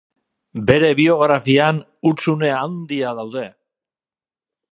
Bere biografian hutsune handiak daude.